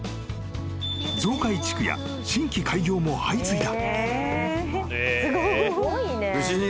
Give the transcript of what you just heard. ［増改築や新規開業も相次いだ］